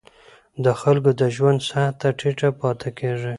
د خلکو د ژوند سطحه ټیټه پاتې کېږي.